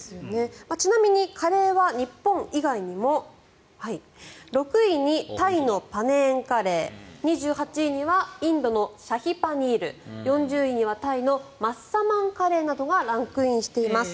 ちなみにカレーは日本以外にも６位にタイのパネーンカレー２８位にはインドのシャヒパニール４０位にはタイのマッサマンカレーなどがランクインしています。